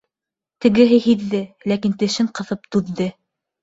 Тегеһе һиҙҙе, ләкин тешен ҡыҫып түҙҙе.